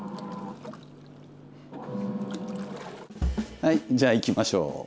はいじゃあいきましょう。